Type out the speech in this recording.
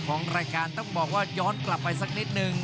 ของรายการต้องบอกว่าย้อนกลับไปสักนิดนึง